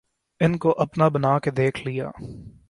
ان کو اپنا بنا کے دیکھ لیا